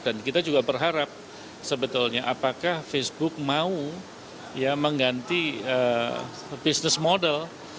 dan kita juga berharap sebetulnya apakah facebook mau mengganti bisnis model